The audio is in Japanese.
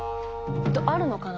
あるのかな？